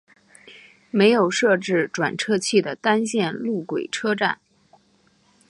没有设置转辙器的单线路轨车站。